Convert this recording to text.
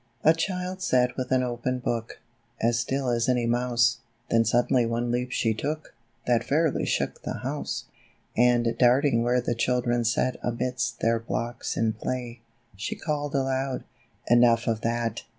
A CHILD sat with an open hook, As still as any mouse; Then suddenly one leap she took, That fairly shook the house; And darting where the children sat Amidst their blocks in play ; She called aloud, "Enough of that!